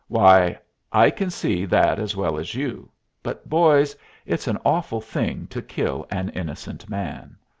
Why, I can see that as well as you. But, boys! it's an awful thing to kill an innocent man!